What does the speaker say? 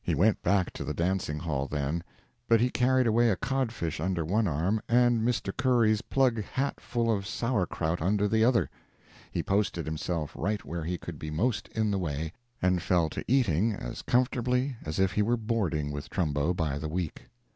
He went back to the dancing hall then, but he carried away a codfish under one arm, and Mr. Curry's plug hat full of sour krout under the other. He posted himself right where he could be most in the way, and fell to eating as comfortably as if he were boarding with Trumbo by the week.